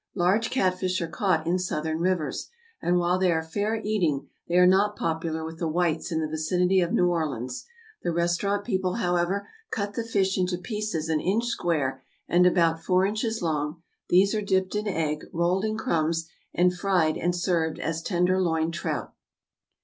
= Large catfish are caught in Southern rivers; and while they are fair eating, they are not popular with the whites in the vicinity of New Orleans. The restaurant people, however, cut the fish into pieces an inch square and about four inches long; these are dipped in egg, rolled in crumbs, and fried and served as tenderloin trout.